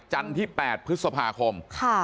จันที่๘พี่ศพาคม